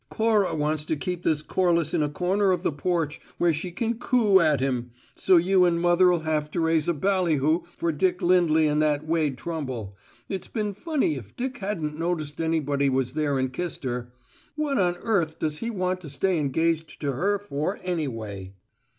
"Cora wants to keep this Corliss in a corner of the porch where she can coo at him; so you and mother'll have to raise a ballyhoo for Dick Lindley and that Wade Trumble. It'd been funny if Dick hadn't noticed anybody was there and kissed her. What on earth does he want to stay engaged to her for, anyway?"